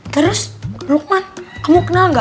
terus rukman kamu kenal nggak